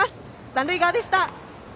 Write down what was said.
三塁側でした。